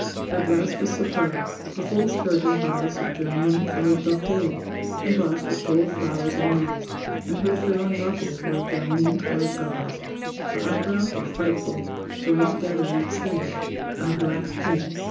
Her dress was superb a full skirt and bodice of geranium coloured brocade, embossed with gold flowers and leaves; and her frill and ruffles were of geranium coloured gauze. Her eyebrows were frightful joined together and extended by black paint.